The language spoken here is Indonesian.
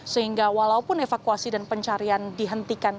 sehingga walaupun evakuasi dan pencarian dihentikan